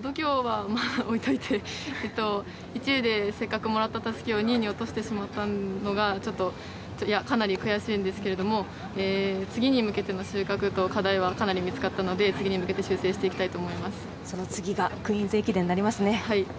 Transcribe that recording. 度胸は置いといて、１位でせっかくもらったたすきを２位に落としてしまったのがかなり悔しいんですけれども、次に向けての収穫と課題はかなり見つかったので、次に向けて修正していきたいと思います。